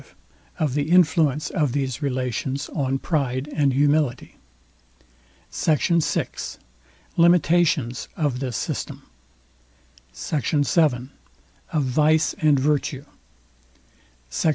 V OF THE INFLUENCE OF THESE RELATIONS ON PRIDE AND HUMILITY SECT. VI LIMITATIONS OF THIS SYSTEM SECT. VII OF VICE AND VIRTUE SECT.